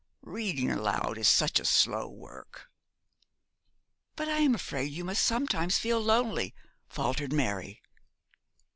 Reading aloud is such slow work. 'But I am afraid you must sometimes feel lonely,' faltered Mary.